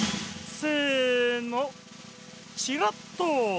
せのチラッとです！